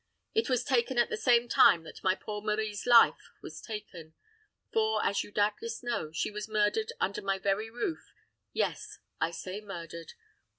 It was taken at the same time that my poor Marie's life was taken; for, as you doubtless know, she was murdered under my very roof yes, I say murdered.